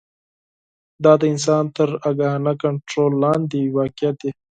دا د انسان تر آګاهانه کنټرول لاندې واقع دي.